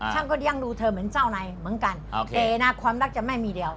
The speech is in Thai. ฉันก็เลี้ยงดูเธอเหมือนเจ้าในเหมือนกันแต่นะความรักจะไม่มีเดียว